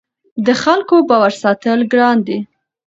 د خلکو باور ساتل ګران دي